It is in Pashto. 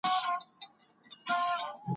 د هیواد وتلي څېړونکي وپیژنئ.